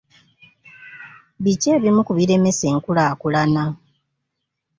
Biki ebimu ku biremesa enkulaakulana?